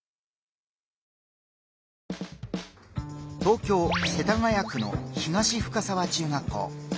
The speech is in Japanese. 東京・世田谷区の東深沢中学校。